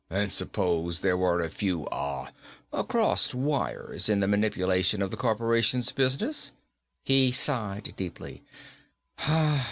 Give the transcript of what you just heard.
"And suppose there were a few, ah, crossed wires in the manipulation of the corporation's business?" He sighed deeply.